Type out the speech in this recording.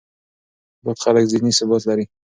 بوخت خلک ذهني ثبات لري.